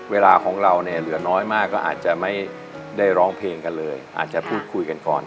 เวลาของเราเนี่ยเหลือน้อยมากก็อาจจะไม่ได้ร้องเพลงกันเลยอาจจะพูดคุยกันก่อน